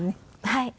はい。